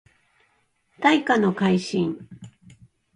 大化の改新